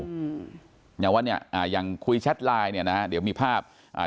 อืมอย่างว่าเนี้ยอ่าอย่างคุยแชทไลน์เนี้ยนะฮะเดี๋ยวมีภาพอ่า